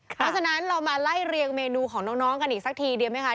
เพราะฉะนั้นเรามาไล่เรียงเมนูของน้องกันอีกสักทีดีไหมคะ